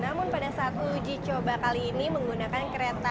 namun pada saat uji coba kali ini menggunakan kereta